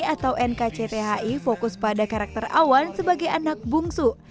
atau nkcthi fokus pada karakter awan sebagai anak bungsu